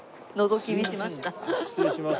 失礼します。